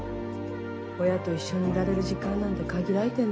親と一緒にいられる時間なんて限られてんのよね。